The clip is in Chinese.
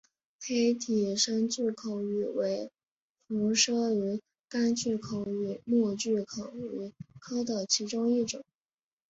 黑体深巨口鱼为辐鳍鱼纲巨口鱼目巨口鱼科的其中一种。